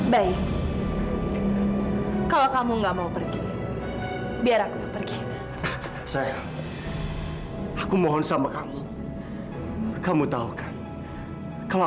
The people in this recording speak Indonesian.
baik kalau kamu nggak mau pergi biar aku pergi saya aku mohon sama kamu kamu tahu kan kalau